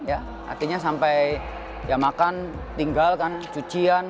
artinya sampai makan tinggal cucian